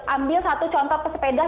ambil satu contoh pesepeda